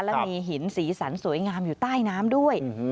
และมีหินสีสันสวยงามอยู่ใต้น้ำด้วย